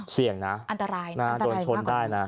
เสี่ยงนะอันตรายนะโดนชนได้นะ